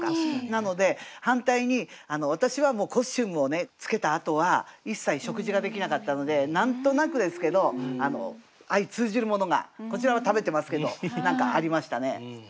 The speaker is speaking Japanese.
なので反対に私はもうコスチュームを着けたあとは一切食事ができなかったので何となくですけど相通じるものがこちらは食べてますけど何かありましたね。